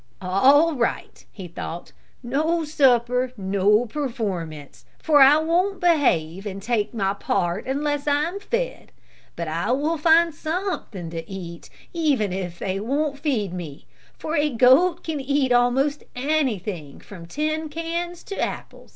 "All right," he thought, "no supper, no performance, for I won't behave and take my part unless I am fed. But I will find something to eat even if they won't feed me, for a goat can eat almost anything from tin cans to apples."